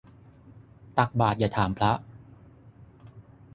ตักบาตรอย่าถามพระ